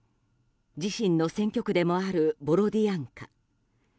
自身の選挙区でもあるボロディアンカ。